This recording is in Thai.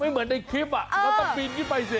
ไม่เหมือนในคลิปอ่ะเราต้องบินที่ไปสิ